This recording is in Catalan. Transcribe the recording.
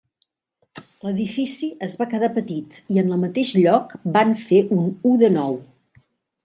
L'edifici es va quedar petit i en el mateix lloc van fer u de nou.